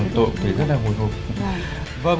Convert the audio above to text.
vâng toàn tội thấy rất là hồi hộp